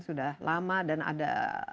sudah lama dan ada